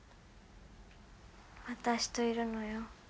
私といるのよ